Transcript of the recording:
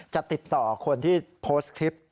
จะติดต่อคนที่โพสต์คลิป